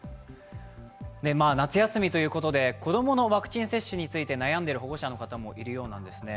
夏休みということで子供のワクチン接種について悩んでいる保護者の方もいるようなんですね。